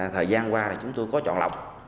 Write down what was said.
thời gian qua chúng tôi có chọn lọc